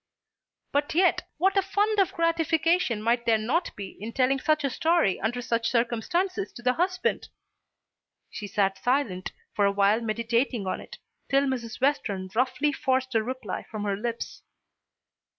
But yet what a fund of gratification might there not be in telling such a story under such circumstances to the husband! She sat silent for a while meditating on it, till Mrs. Western roughly forced a reply from her lips.